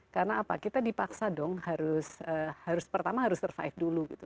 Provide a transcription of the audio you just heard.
karena apa kita dipaksa dong harus pertama harus survive dulu gitu